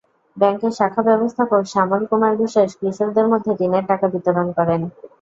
ব্যাংকের শাখা ব্যবস্থাপক শ্যামল কুমার বিশ্বাস কৃষকদের মধ্যে ঋণের টাকা বিতরণ করেন।